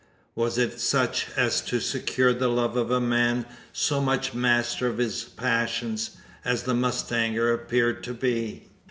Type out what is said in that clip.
Was it such as to secure the love of a man so much master of his passions, as the mustanger appeared to be?